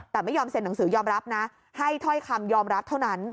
แต่ไม่ยอมเซ็นหนังสือยอมรับนะให้ถ้อยคำยอมรับเท่านั้น